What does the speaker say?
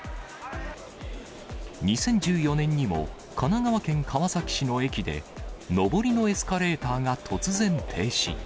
２０１４年にも、神奈川県川崎市の駅で、上りのエスカレーターが突然停止。